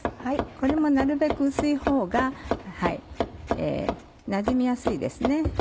これもなるべく薄いほうがなじみやすいですね。